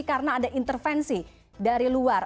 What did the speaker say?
karena ada intervensi dari luar